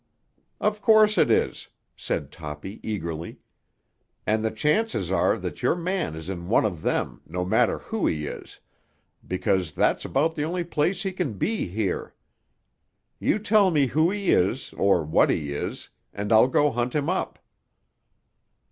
"Of course it is," said Toppy eagerly. "And the chances are that your man is in one of them, no matter who he is, because that's about the only place he can be here. You tell me who he is, or what he is, and I'll go hunt him up."